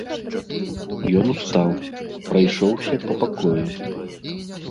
Ён устаў, прайшоўся па пакоі.